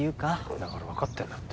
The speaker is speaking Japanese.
だから分かってんだって。